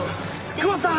久保田さん。